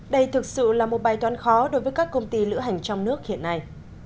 đây thực sự là một bài toán khó đối với các công ty lữ hành trong nước hiện nay